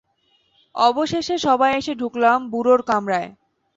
অবশেষে সবাই এসে ঢুকলাম বুড়োর কামরায়।